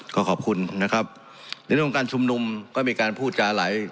ก็ขอบคุณนะครับในบริการชุมนุมก็มีการพูดจาหลาย